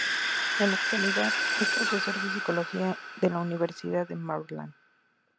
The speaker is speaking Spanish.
En la actualidad es profesor de sociología de la Universidad de Maryland.